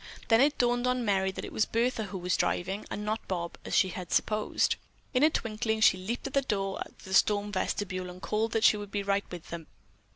Then it dawned on Merry that it was Bertha who was driving, and not Bob, as she had supposed. In a twinkling she leaped to the door of the storm vestibule and called that she would be right with them.